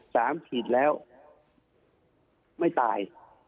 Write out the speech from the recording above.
ฉีดแล้วไม่ตาย